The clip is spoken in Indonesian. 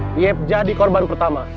diep jadi korban pertama